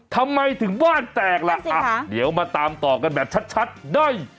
ทำไมถึงบ้านแตกล่ะเดี๋ยวมาตามต่อกันแบบชัดได้